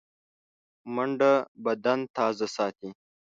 منډه بدن تازه ساتي